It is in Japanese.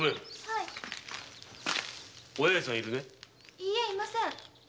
いいえいません。